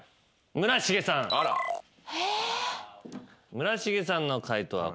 村重さんの解答はこちら。